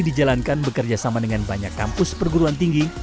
dijalankan bekerjasama dengan banyak kampus perguruan tinggi